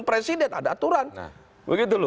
presiden ada aturan nah begitu